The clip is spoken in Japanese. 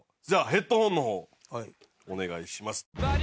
じゃあヘッドホンの方お願いします。